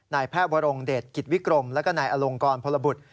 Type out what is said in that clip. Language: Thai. นายแพทย์วรงเดชกิจวิกรมแล้วก็นายอลงกรพลบุตร